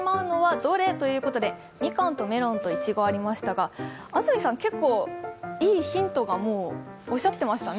みかんとメロンといちごありましたが、安住さん、結構、いいヒントをもうおっしゃってましたね。